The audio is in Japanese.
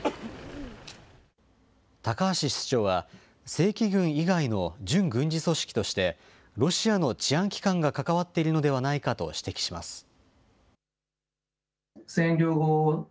高橋室長は、正規軍以外の準軍事組織として、ロシアの治安機関が関わっているのではないかと指摘します。